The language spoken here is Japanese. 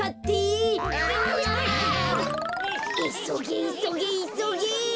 あちゃ！いそげいそげいそげ！